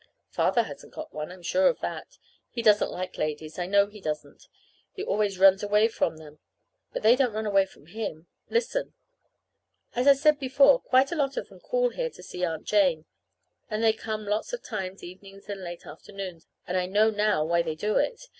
Father hasn't got one. I'm sure of that. He doesn't like ladies. I know he doesn't. He always runs away from them. But they don't run away from him! Listen. As I said before, quite a lot of them call here to see Aunt Jane, and they come lots of times evenings and late afternoons, and I know now why they do it.